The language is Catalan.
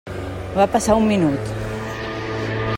Va passar un minut.